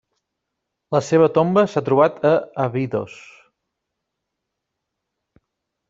La seva tomba s'ha trobat a Abidos.